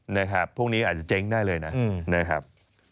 นะครับพวกนี้อาจจะเจ๊งได้เลยนะครับ